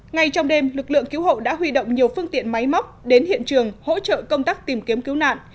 ngay trong đêm lực lượng cứu hộ đã huy động nhiều phương tiện máy móc đến hiện trường hỗ trợ công tác tìm kiếm cứu nạn